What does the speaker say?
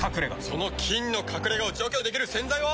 その菌の隠れ家を除去できる洗剤は。